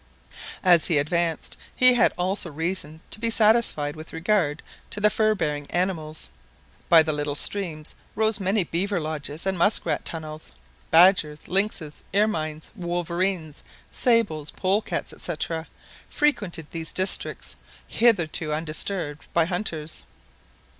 As he advanced he had also reason to be satisfied with regard to the fur bearing animals. By the little streams rose many beaver lodges and musk rat tunnels. Badgers, lynxes, ermines, wolverenes, sables, polecats, &c., frequented these districts, hitherto undisturbed by hunters.